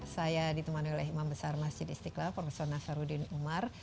saya ditemani oleh imam besar masjid istiqlal prof nasaruddin umar